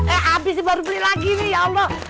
eh abis baru beli lagi nih ya allah